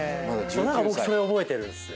何か僕それ覚えてるんですよ。